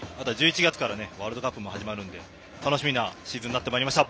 １１月からワールドカップも始まるので楽しみなシーズンになってまいりました。